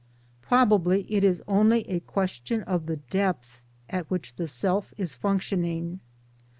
Probably it is only a question of the depth at which the Self is function ing.